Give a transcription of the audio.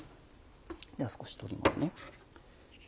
では少し取りますね。